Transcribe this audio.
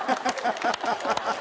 ハハハハ！